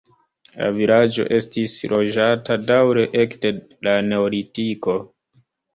La vilaĝo estis loĝata daŭre ekde la neolitiko.